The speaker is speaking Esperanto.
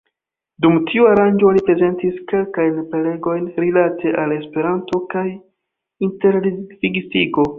Dum tiu aranĝo oni prezentis kelkajn prelegojn rilate al Esperanto kaj interlingvistiko.